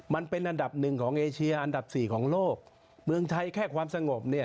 มันเป็นอันดับหนึ่งของเอเชียอันดับสี่ของโลกเมืองไทยแค่ความสงบเนี่ย